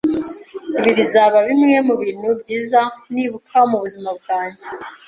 Ibi bizaba bimwe mubintu byiza nibuka mubuzima bwanjye.